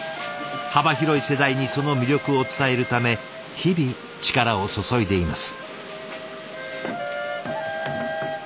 幅広い世代にその魅力を伝えるため日々力を注いでいます。